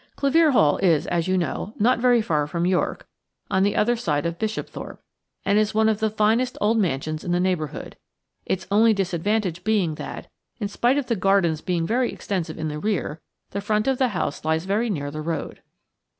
Clevere Hall is, as you know, not very far from York, on the other side of Bishopthorpe, and is one of the finest old mansions in the neighbourhood, its only disadvantage being that, in spite of the gardens being very extensive in the rear, the front of the house lies very near the road.